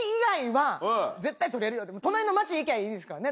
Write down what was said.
隣の町行きゃいいんですからね